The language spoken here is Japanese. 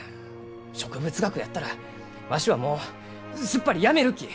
植物学やったらわしはもうすっぱりやめるき！